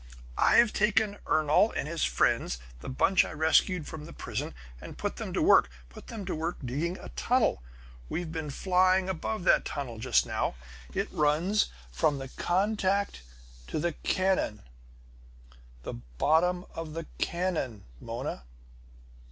"I've taken Ernol and his friends the bunch I rescued from the prison and put them to work. Put them to work digging a tunnel! We've been flying above that tunnel just now. It runs from the contact to the cannon the bottom of the cannon, Mona!